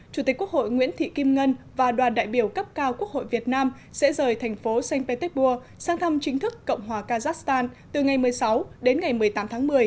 chủ tịch quốc hội nguyễn thị kim ngân và đoàn đại biểu cấp cao quốc hội việt nam sẽ rời thành phố saint petersburg sang thăm chính thức cộng hòa kazakhstan từ ngày một mươi sáu đến ngày một mươi tám tháng một mươi